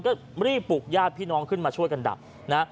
ก็รีบปลุกญาติพี่น้องขึ้นมาช่วยกันดับนะ